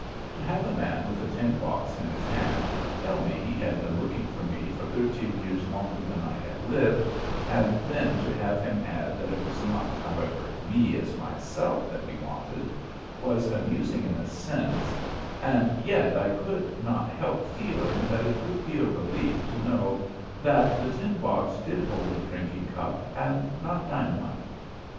To have a man with a tin box in his hand tell me he had been looking for me for thirteen years longer than I had lived, and then to have him add that it was not, however, me as myself that he wanted, was amusing in a sense, and yet I could not help feeling that it would be a relief to know that the tin box did hold a drinking cup, and not dynamite.